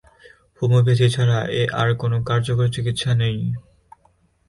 Homeopathy ছাড়া এর আর কোন কার্যকর চিকিৎসা নেই।